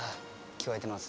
聞こえてます。